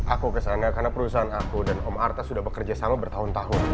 aku kesana karena perusahaan aku dan om arta sudah bekerja sama bertahun tahun